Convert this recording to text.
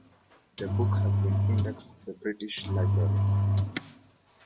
The book has been indexed The British Library.